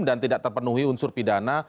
dan tidak terpenuhi unsur pidana